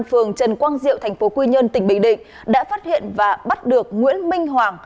phường trần quang diệu tp quy nhơn tỉnh bình định đã phát hiện và bắt được nguyễn minh hoàng